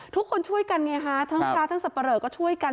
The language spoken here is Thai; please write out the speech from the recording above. ทุกคนช่วยกันไงฮะทั้งพระทั้งสับปะเหลอก็ช่วยกัน